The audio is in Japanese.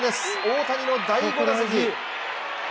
大谷の第５打席。